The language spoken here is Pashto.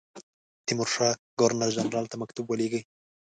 تیمورشاه ګورنر جنرال ته مکتوب ولېږی.